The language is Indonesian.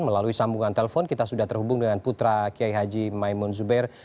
melalui sambungan telepon kita sudah terhubung dengan putra kiai haji maimun zuber